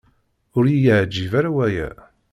Ur yi-yeεǧib ara waya.